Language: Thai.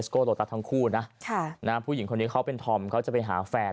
ของตั้งคู่นะช่านะผู้หญิงคนนี้เขาเป็นต้องเขาจะไปหาแฟน